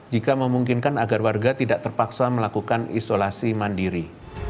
jika memungkinkan agar warga tidak terpaksa melakukan isolasi mandiri